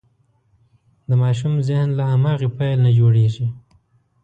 د ماشوم ذهن له هماغې پیل نه جوړېږي.